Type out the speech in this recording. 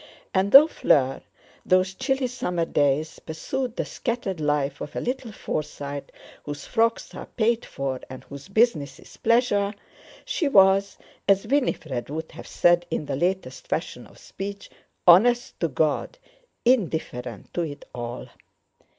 And though Fleur, those chilly summer days, pursued the scattered life of a little Forsyte whose frocks are paid for, and whose business is pleasure, she was—as Winifred would have said in the latest fashion of speech—"honest to God" indifferent to it all.